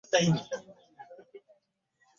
Yensonga lwaki bakola ebirayiro mu kkanisa .